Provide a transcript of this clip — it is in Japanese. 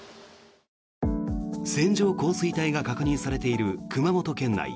線状降水帯が確認されている熊本県内。